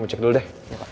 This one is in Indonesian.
cek dulu deh